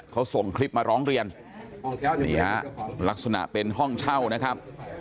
เขาส่งคลิปมาร้องเรียนนี่ฮะลักษณะเป็นห้องเช่านะครับ